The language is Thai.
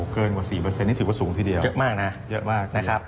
เกินกว่า๔นี่ถือว่าสูงทีเดียวเยอะมากนะเยอะมากนะครับ